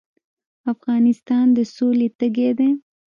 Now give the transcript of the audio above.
افغانستان د سولې تږی دی